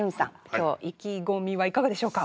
今日意気込みはいかがでしょうか？